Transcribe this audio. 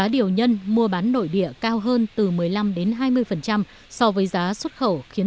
điều nhận thông tin